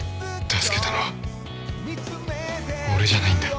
助けたのは俺じゃないんだ。